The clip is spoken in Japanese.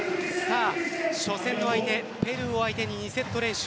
初戦の相手・ペルーを相手に２セット連取。